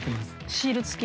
シール付き。